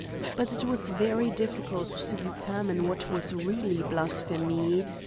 But it was very difficult to determine what was really blasphemy.